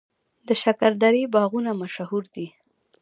د شکردرې باغونه مشهور دي